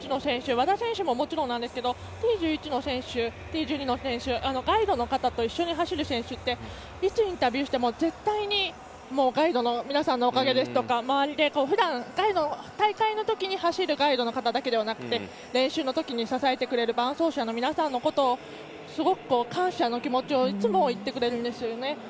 和田選手ももちろんなんですけどＴ１１の選手、Ｔ１２の選手ガイドの方と一緒に走る選手っていつインタビューしても絶対にガイドの皆さんのおかげですとか大会のときに走るガイドの方だけではなくて練習のときに支えてくれる伴走者の皆さんへすごく感謝の気持ちをいつも言ってくれるんですね。